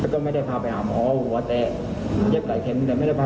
แต่ไม่ได้พาไปหาหมอหัวหัวเสียตั้งแต่บัตร